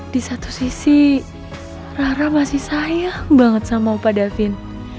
di satu sisi rara masih sayang banget sama pak davin